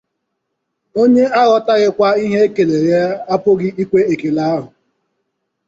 Onye aghọtaghịkwa ihe e kelere ya apụghị ikwe ekele ahụ